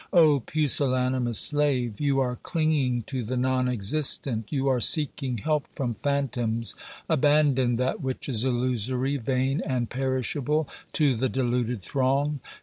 O pusillanimous slave ! You are clinging to the non existent, you are seeking help from phantoms. Abandon that which is illusory, vain and perishable to the deluded throng.